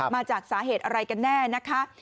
มาจากสาเหตุอะไรกันแน่นะคะ